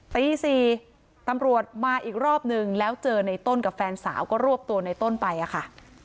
ตี๔ตำรวจมาอีกรอบนึงแล้วเจอในต้นกับแฟนสาวก็รวบตัวในต้นไปอะค่ะ